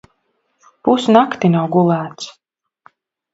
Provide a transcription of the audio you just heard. Pus nakti nav gulēts.